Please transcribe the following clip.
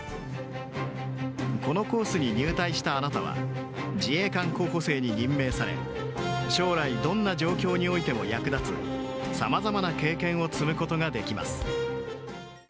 このコースに入隊したあなたは、自衛官候補生に任命され、将来どんな状況においても役立つ、さまざまな経験を積むことができます。